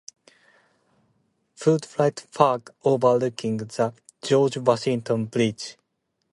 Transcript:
Hood Wright Park overlooking the "George Washington Bridge".